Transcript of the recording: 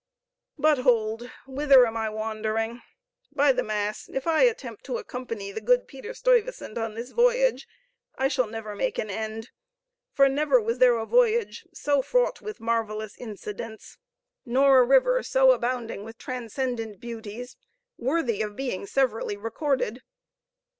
But hold, whither am I wandering? By the mass, if I attempt to accompany the good Peter Stuyvesant on this voyage, I shall never make an end; for never was there a voyage so fraught with marvelous incidents, nor a river so abounding with transcendent beauties, worthy of being severally recorded.